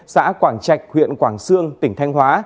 xã quảng trạch huyện quảng sương tỉnh thanh hóa